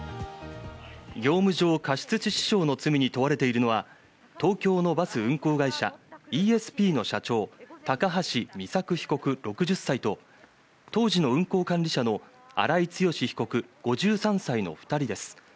業務上過失致死傷の罪に問われているのは東京のバス運行会社イーエスピーの社長・高橋美作被告、６０歳と、当時の運行管理者の荒井強被告、５３歳の２人です。